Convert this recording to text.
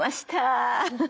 ハハハ！